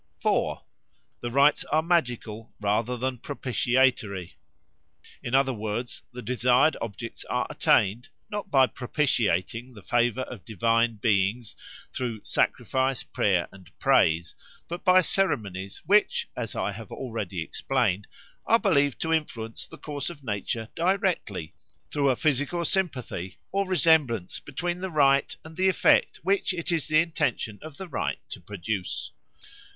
4. The rites are magical rather than propitiatory. In other words, the desired objects are attained, not by propitiating the favour of divine beings through sacrifice, prayer, and praise, but by ceremonies which, as I have already explained, are believed to influence the course of nature directly through a physical sympathy or resemblance between the rite and the effect which it is the intention of the rite to produce.